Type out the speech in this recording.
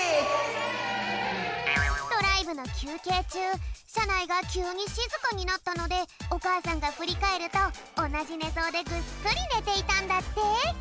これはしゃないがきゅうにしずかになったのでおかあさんがふりかえるとおなじねぞうでぐっすりねていたんだって。